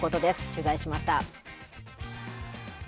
取材しました。